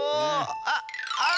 あっあっ！